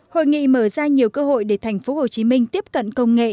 hội nghị mở ra nhiều cơ hội để thành phố hồ chí minh tiếp cận công nghệ